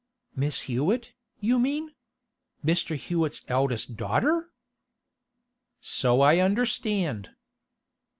'Miss Hewett, you mean? Mr. Hewett's eldest daughter?' 'So I understand.